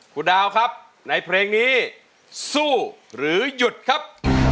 คุณดาวครับในเพลงนี้สู้หรือหยุดครับ